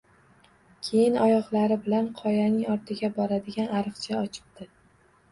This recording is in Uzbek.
Keyin oyoqlari bilan qoyaning ortiga boradigan ariqcha ochibdi